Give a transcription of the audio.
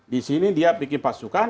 di sini dia bikin pasukan